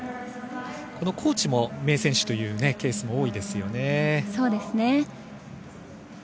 コーチも名選手というケースが多いですよね。